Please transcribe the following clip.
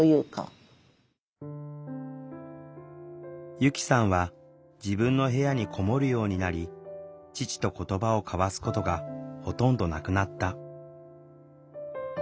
由希さんは自分の部屋に籠もるようになり父と言葉を交わすことがほとんどなくなった。